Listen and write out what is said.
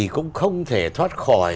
cũng không thể thoát khỏi